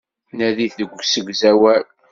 Nadit deg usegzawal.